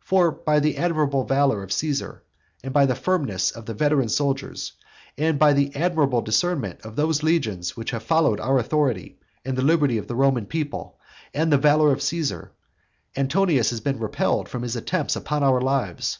For by the admirable valour of Caesar, and by the firmness of the veteran soldiers, and by the admirable discernment of those legions which have followed our authority, and the liberty of the Roman people, and the valour of Caesar, Antonius has been repelled from his attempts upon our lives.